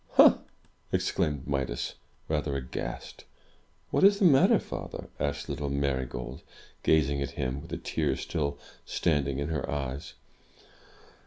"Ha!" exclaimed Midas, rather aghast. What is the matter, father?" asked little Marygold, gazing at him, with the tears still standing in her eyes.